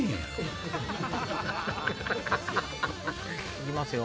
いきますよ